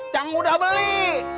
cang udah beli